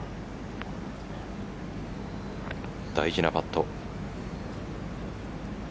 大事なパット。